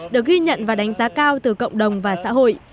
được ghi nhận và đánh giá cao từ cộng đồng và xã hội